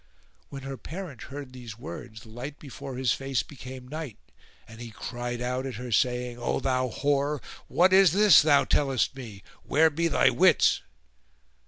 [FN#439] When her parent heard these words the light before his face became night, and he cried out at her saying, "O thou whore! What is this thou tellest me? Where be thy wits?"